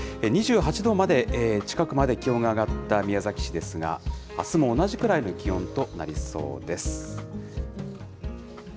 ２８度近くまで気温が上がった宮崎市ですが、あすも同じぐらいの気温となりそうです。